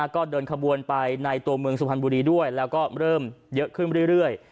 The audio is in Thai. ก็เดินขบวนไปในตัวเมืองสุพรรณบุรีด้วยแล้วก็เริ่มเยอะขึ้นเรื่อย